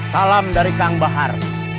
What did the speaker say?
salam dari kang bahar